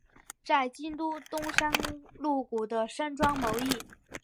在京都东山鹿谷的山庄谋议。